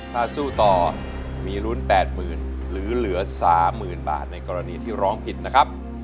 ถ้าสู้ต่อมีลุ้น๘๐๐๐หรือเหลือ๓๐๐๐บาทในกรณีที่ร้องผิดนะครับ